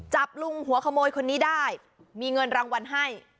จับลุงหัวขโมยคนนี้ได้มีเงินรางวัลให้